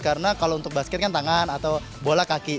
karena kalau untuk basket kan tangan atau bola kaki